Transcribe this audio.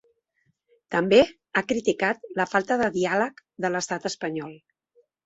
També ha criticat la falta de diàleg de l’estat espanyol.